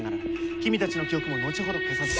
君たちの記憶も後ほど消させて。